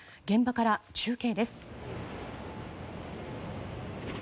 現場から中継です。